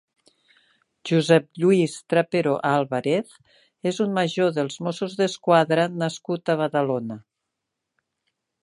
Josep Lluís Trapero Álvarez és un major dels Mossos d'Esquadra nascut a Badalona.